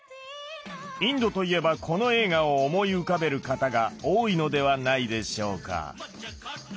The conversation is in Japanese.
インドといえばこの映画を思い浮かべる方が多いのではないでしょうか？